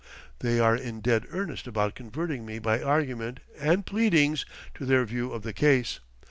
They are in dead earnest about converting me by argument and pleadings to their view of the case.